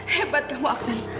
hebat kamu aksan